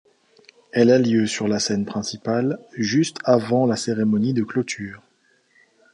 Elle a lieu sur la scène principale juste avant la cérémonie de clôture.